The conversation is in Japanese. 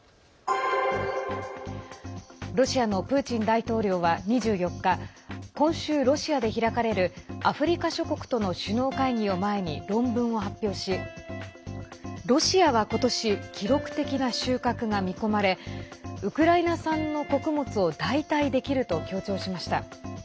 ロシアのプーチン大統領は２４日、今週ロシアで開かれるアフリカ諸国との首脳会議を前に論文を発表しロシアは今年記録的な収穫が見込まれウクライナ産の穀物を代替できると強調しました。